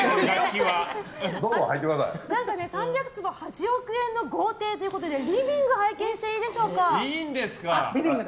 ３００坪８億円の豪邸ということでリビングを拝見していいでしょうか？